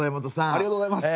ありがとうございます。